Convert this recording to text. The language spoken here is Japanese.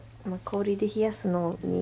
氷で冷やすのに。